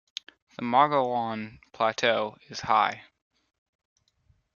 The Mogollon Plateau is high.